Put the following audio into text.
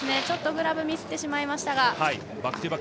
ちょっとグラブをミスってしまいました。